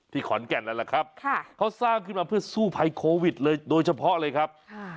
ขอนแก่นนั่นแหละครับเขาสร้างขึ้นมาเพื่อสู้ภัยโควิดเลยโดยเฉพาะเลยครับ